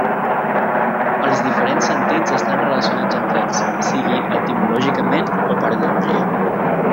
Els diferents sentits estan relacionats entre ells, sigui etimològicament o per analogia.